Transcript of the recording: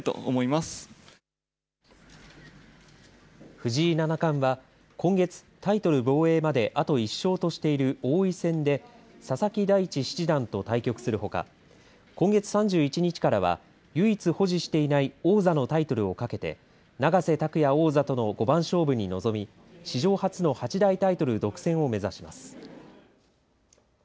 藤井七冠は今月、タイトル防衛まであと１勝としている王位戦で佐々木大地七段と対局するほか今月３１日からは唯一保持していない王座のタイトルをかけて永瀬拓矢王座との五番勝負に臨み史上初の八大タイトル独占を目指します。